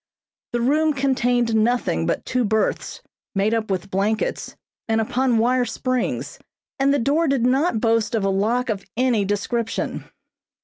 The room contained nothing but two berths, made up with blankets and upon wire springs, and the door did not boast of a lock of any description.